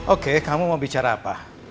oke kamu mau bicara apa